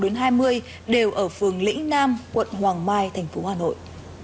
đến hai mươi đều ở phường lĩnh nam quận hoàng mai thành phố hà nội